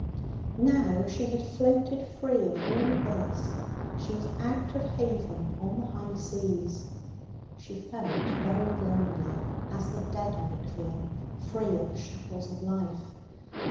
Now she had floated free of all this. She was out of haven on the high seas. She felt very lonely as the dead might feel, free of the shackles of life.